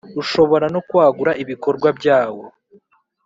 Ushobora no kwagura ibikorwa byawo